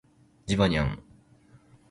ジバニャン